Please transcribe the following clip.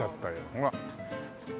ほら。